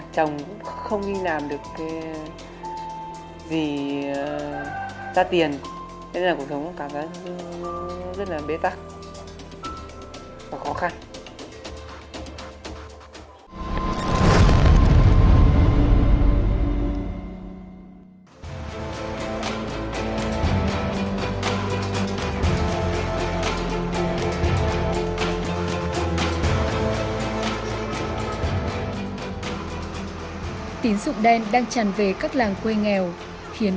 chồng cũng không đi làm được cái gì ra tiền